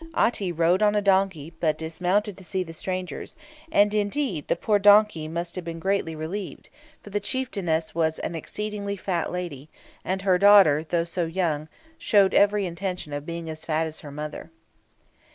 Aty rode down on a donkey, but dismounted to see the strangers, and, indeed, the poor donkey must have been greatly relieved, for the chieftainess was an exceedingly fat lady, and her daughter, though so young, showed every intention of being as fat as her mother.